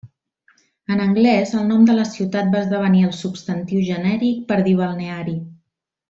En anglès el nom de la ciutat va esdevenir el substantiu genèric per dir balneari.